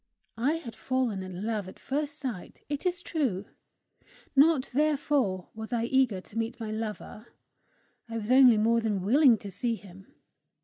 I had fallen in love at first sight, it is true; not therefore was I eager to meet my lover. I was only more than willing to see him.